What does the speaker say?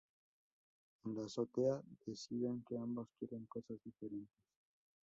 En la azotea, deciden que ambos quieren cosas diferentes.